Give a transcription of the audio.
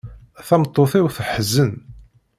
Tameṭṭut-iw teḥzen.